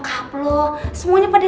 asons menipu ya